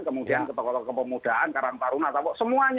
kemudian ke tokoh tokoh kepemudaan karantaruna semua